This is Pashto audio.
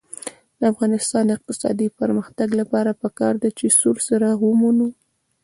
د افغانستان د اقتصادي پرمختګ لپاره پکار ده چې سور څراغ ومنو.